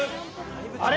あれ？